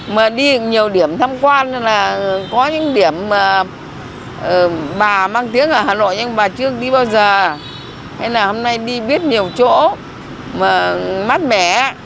mà đi nhiều điểm thăm quan là có những điểm mà bà mang tiếng ở hà nội nhưng bà chưa đi bao giờ hay là hôm nay đi biết nhiều chỗ mà mát mẻ